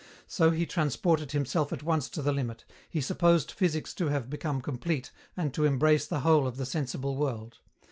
So he transported himself at once to the limit; he supposed physics to have become complete and to embrace the whole of the sensible world.